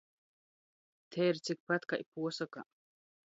Te ir cikpat kai puosokā.